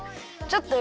ちょっと。